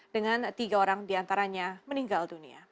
dengan tiga orang diantaranya meninggal dunia